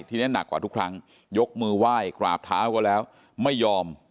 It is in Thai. ทีนี้หนักกว่าทุกครั้งยกมือไหว้กราบเท้าก็แล้วไม่ยอม